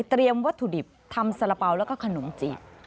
วัตถุดิบทำสาระเป๋าแล้วก็ขนมจีบ